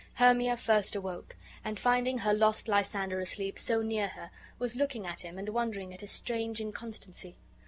Hermia first awoke, and, finding her lost Lysander asleep so near her, was looking at him and wondering at his strange inconstancy.